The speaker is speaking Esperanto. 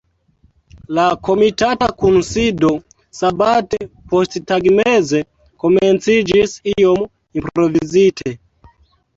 La komitata kunsido sabate posttagmeze komenciĝis iom improvizite.